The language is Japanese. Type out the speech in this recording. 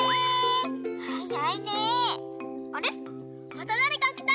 あれまただれかきた。